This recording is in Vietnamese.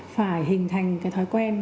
phải hình thành thói quen